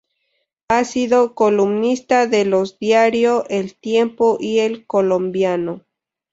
Ha sido columnista de los diario El Tiempo y el Colombiano.